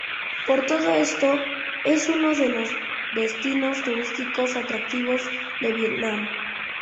Por todo esto, es uno de los destinos turísticos atractivos de Vietnam.